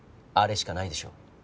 あれしかないでしょう。